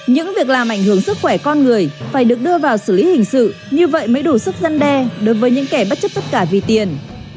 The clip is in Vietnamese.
những việc làm ảnh hưởng sức khỏe con người phải được đưa vào xử lý hình sự như vậy mới đủ sức dân đe đối với những kẻ bất chấp tất cả vì tiền